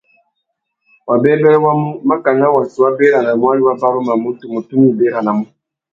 Wabêbêrê wa mu, makana watu wa béranamú ari wa barumanú, tumu tunu i béranamú.